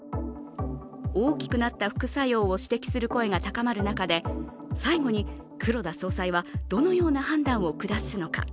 大きくなった副作用を指摘する声が高まる中で、最後に黒田総裁は、どのような判断を下すのか。